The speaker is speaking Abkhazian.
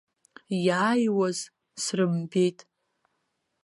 Иааиуаз срымбеит.